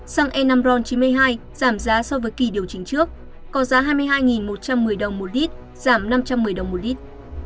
xăng e năm ron chín mươi hai giảm giá so với kỳ điều chỉnh trước có giá hai mươi hai một trăm một mươi đồng một lít giảm năm trăm một mươi đồng một lít